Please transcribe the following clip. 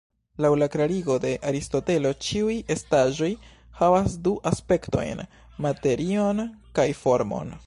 Laŭ la klarigo de Aristotelo, ĉiuj estaĵoj havas du aspektojn, "materion" kaj "formon.